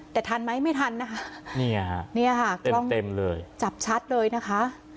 แต่ทันไหมไม่ทันนะคะนี่ค่ะเต็มเต็มเลยจับชัดเลยนะคะ